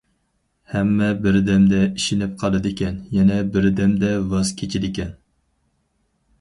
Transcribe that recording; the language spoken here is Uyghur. ھەممە بىردەمدە ئىشىنىپ قالىدىكەن، يەنە بىر دەمدە ۋاز كېچىدىكەن.